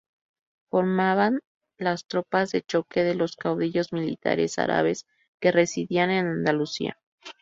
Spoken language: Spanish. Formaban las tropas de choque de los caudillos militares árabes que residían en Andalucía.